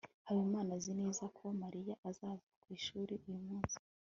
habimana azi neza ko mariya azaza ku ishuri uyu munsi